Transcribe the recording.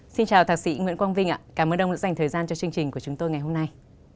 xin chào thạc sĩ nguyễn quang vinh ạ cảm ơn ông đã dành thời gian cho chương trình của chúng tôi ngày hôm nay